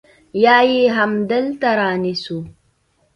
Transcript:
يا يې همدلته رانيسو.